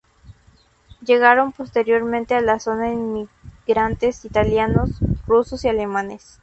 Llegaron posteriormente a la zona inmigrantes italianos, rusos y alemanes.